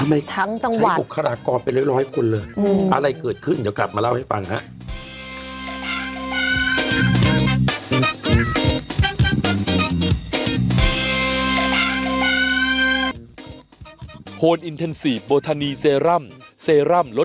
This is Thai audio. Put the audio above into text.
ทำไมใช้๖ขรากรเป็นล้อยคนเลยอะไรเกิดขึ้นเดี๋ยวกลับมาเล่าให้ฟังครับ